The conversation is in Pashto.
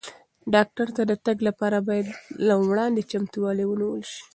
ډاکټر ته د تګ لپاره باید له وړاندې چمتووالی ونیول شي.